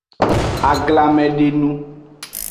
Aglanmedenu.